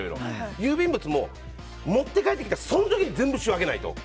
郵便物も、持って帰ってきたその時に全部仕分けないと。